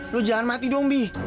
lu jangan mati dong bi